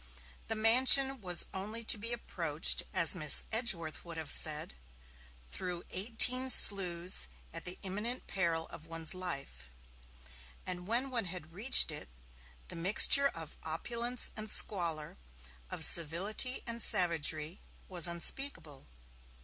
The mansion was only to be approached, as Miss Edgeworth would have said, 'through eighteen sloughs, at the imminent peril of one's life', and when one had reached it, the mixture of opulence and squalor, of civility and savagery, was unspeakable.